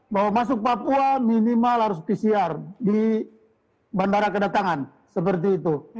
bahwa masuk papua minimal harus pcr di bandara kedatangan seperti itu